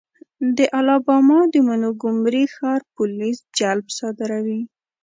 د الاباما د مونګومري ښار پولیس جلب صادروي.